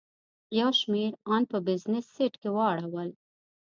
یو شمېر ان په بزنس سیټ کې واړول.